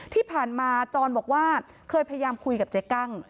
ที่ผ่านมาจรบอกว่าเคยพยายามคุยกับเจ๊กั้ง